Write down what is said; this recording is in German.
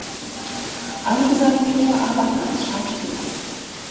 Einige seiner Kinder arbeiten als Schauspieler.